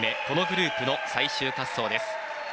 このグループの最終滑走です。